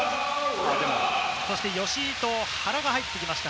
吉井と原が入ってきました。